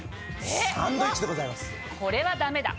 これはダメだ。